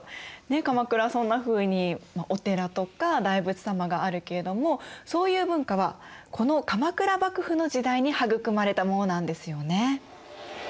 鎌倉はそんなふうにお寺とか大仏様があるけれどもそういう文化はこの鎌倉幕府の時代に育まれたものなんですよね。